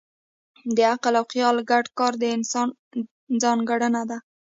د عقل او خیال ګډ کار د انسان ځانګړنه ده.